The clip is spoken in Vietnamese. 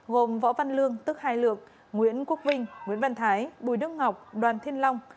gồm võ văn lương tức hai lược nguyễn quốc vinh nguyễn văn thái bùi đức ngọc đoàn thiên long